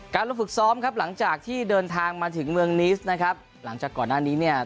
ลงฝึกซ้อมครับหลังจากที่เดินทางมาถึงเมืองนิสนะครับหลังจากก่อนหน้านี้เนี่ย